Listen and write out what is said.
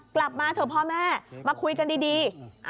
กลับมาเถอะพ่อแม่มาคุยกันดี